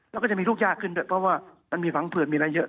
แล้วก็จะมีลูกยากขึ้นด้วยเพราะว่ามันมีฝังเผือดมีอะไรเยอะ